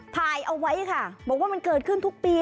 ถ่ายเอาไว้ค่ะบอกว่ามันเกิดขึ้นทุกปี